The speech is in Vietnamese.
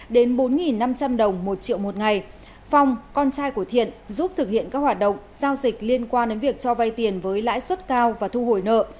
đến bốn năm trăm linh đồng một triệu một ngày phong con trai của thiện giúp thực hiện các hoạt động giao dịch liên quan đến việc cho vay tiền với lãi suất cao và thu hồi nợ